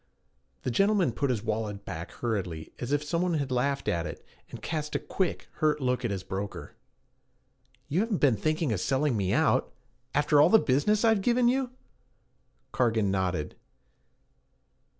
The gentleman put his wallet back hurriedly as if some one had laughed at it, and cast a quick, hurt look at his broker. 'You haven't been thinking of selling me out after all the business I've given you?' Cargan nodded.